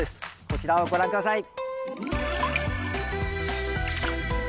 こちらをご覧下さい！